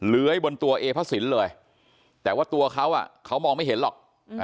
เลื้อยบนตัวเอพระศิลป์เลยแต่ว่าตัวเขาอ่ะเขามองไม่เห็นหรอก